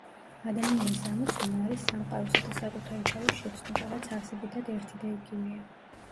ადამიანის ამოცანა არის სამყაროსა და საკუთარი თავის შეცნობა, რაც არსებითად ერთი და იგივეა.